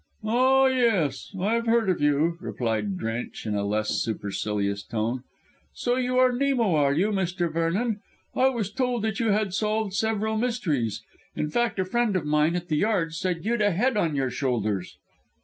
"Ah, yes; I've heard of you," replied Drench in a less supercilious tone. "So you are Nemo, are you, Mr. Vernon? I was told that you had solved several mysteries. In fact, a friend of mine at the Yard said you'd a head on your shoulders."